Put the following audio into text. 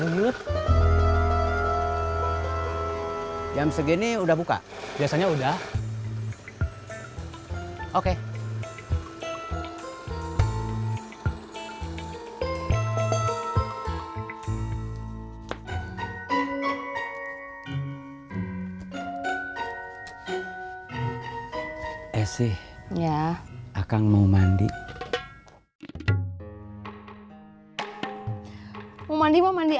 yang penting modelnya cocok warnanya cocok dan berbeda beda ya kan